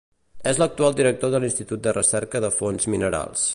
És l'actual director de l'institut de recerca de fonts minerals.